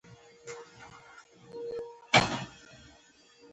وژنه د تفکر له وجې نه ده، بلکې له کرکې ده